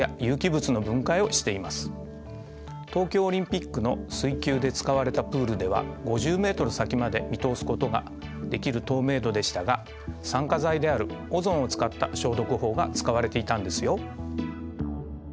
東京オリンピックの水球で使われたプールでは５０メートル先まで見通すことができる透明度でしたが酸化剤であるオゾンを使った消毒法が使われていたんですよ。